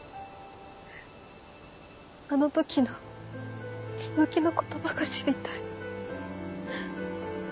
あの時の続きの言葉が知りたい。